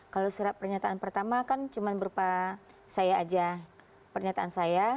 kalau surat pernyataan pertama kan cuma berupa saya aja pernyataan saya